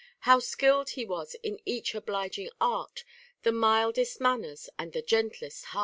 How skill'd he was in each obliging art; The mildest manners, and the gentlest heart.